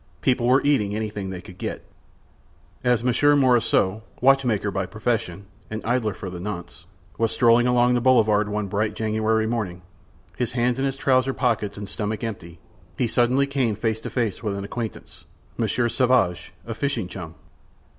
People were eating anything they could get. As Monsieur Morissot, watchmaker by profession and idler for the nonce, was strolling along the boulevard one bright January morning, his hands in his trousers pockets and stomach empty, he suddenly came face to face with an acquaintance—Monsieur Sauvage, a fishing chum.